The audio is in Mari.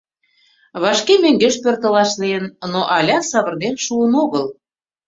Вашке мӧҥгеш пӧртылаш лийын, но алят савырнен шуын огыл.